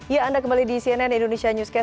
ya anda kembali di cnn indonesia newscast